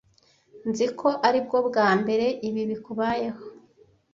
Nzi ko aribwo bwa mbere ibi bikubayeho.